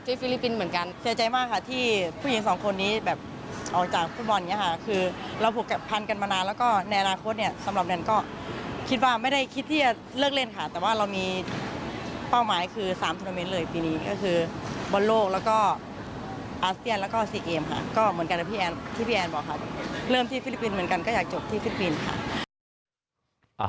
ก็เหมือนกันนะพี่แอนพี่แอนบอกค่ะเริ่มที่ฟิลิปปินส์เหมือนกันก็อยากจบที่ฟิลิปปินส์ค่ะ